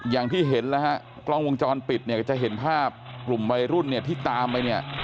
อย่างที่เห็นแล้วฮะกล้องวงจรปิดจะเห็นภาพกลุ่มวัยรุ่นที่ตามไป